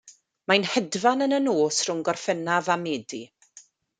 Mae'n hedfan yn y nos rhwng Gorffennaf a Medi.